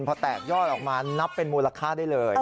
พอแตกยอดออกมานับเป็นมูลค่าได้เลย